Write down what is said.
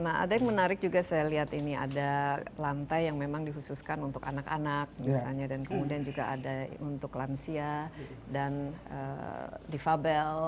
nah ada yang menarik juga saya lihat ini ada lantai yang memang dihususkan untuk anak anak misalnya dan kemudian juga ada untuk lansia dan difabel